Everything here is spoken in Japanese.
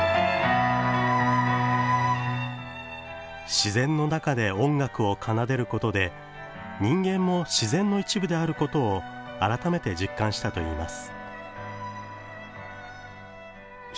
自然の中で音楽を奏でることで人間も自然の一部であることを改めて実感したといいます。